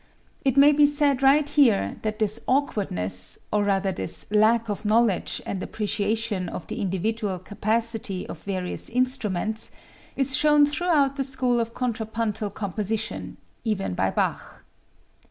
It may be said right here that this awkwardness, or rather this lack of knowledge and appreciation of the individual capacity of various instruments, is shown throughout the school of contrapuntal composition, even by Bach.